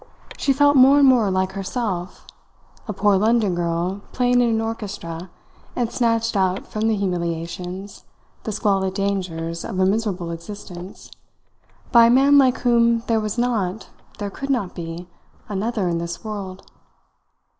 She felt more and more like herself a poor London girl playing in an orchestra, and snatched out from the humiliations, the squalid dangers of a miserable existence, by a man like whom there was not, there could not be, another in this world.